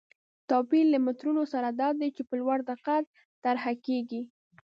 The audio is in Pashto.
توپیر یې له مترونو سره دا دی چې په لوړ دقت طرحه کېږي.